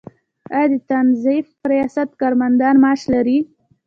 آیا د تنظیف ریاست کارمندان معاش لري؟